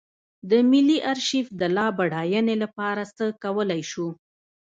د ملي ارشیف د لا بډاینې لپاره څه کولی شو.